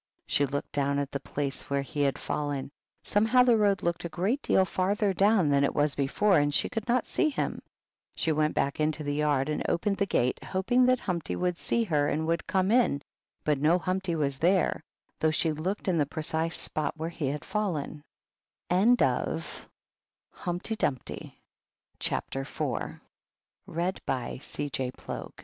She looked down at the place where he had fallen; somehow the road looked a great deal farther down than it was before, and she could not see him. She went back into the yard and opened the gate, hoping that Humpty would see her and would come in, but no Humpty was there, though she looked in the precise spot